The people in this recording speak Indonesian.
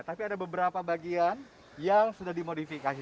tapi ada beberapa bagian yang sudah dimodifikasi